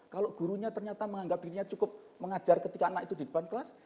kalau gurunya ternyata menganggap dirinya cukup mengajar ketika anak itu di depan kelas